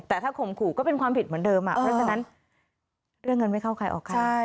แต่ถ้าข่มขู่ก็เป็นความผิดเหมือนเดิมเพราะฉะนั้นเรื่องเงินไม่เข้าใครออกใคร